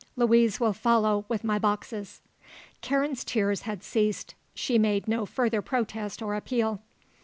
Louise will follow with my boxes." Karen's tears had ceased. She made no further protest or appeal.